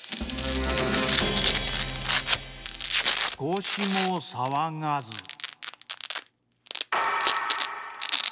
「少しも騒がず」。